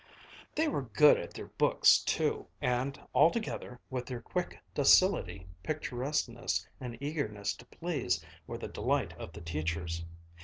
They were good at their books too, and altogether, with their quick docility, picturesqueness, and eagerness to please, were the delight of their teachers.